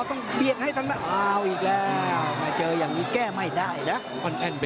ต้องเบียดให้ทั้งนั้นอ้าวอีกแล้ว